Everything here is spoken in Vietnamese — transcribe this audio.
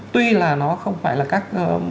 tuy là nó không phải là các